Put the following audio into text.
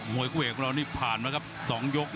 มวยคู่เหวกผ่านมา๒ยก